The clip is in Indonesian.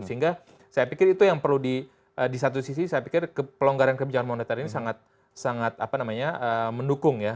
sehingga saya pikir itu yang perlu di satu sisi saya pikir pelonggaran kebijakan moneter ini sangat mendukung ya